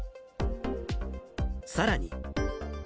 さらに。